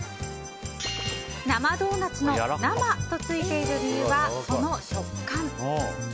生ドーナツの生とついている理由は、その食感。